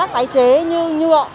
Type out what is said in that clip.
rác tái chế như nhựa